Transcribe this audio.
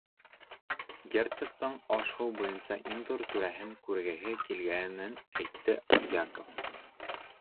Герцогтың аш-һыу буйынса иң ҙур түрәһен күргеһе килгәнен әйтте Яков.